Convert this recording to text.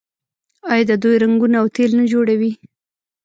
آیا دوی رنګونه او تیل نه جوړوي؟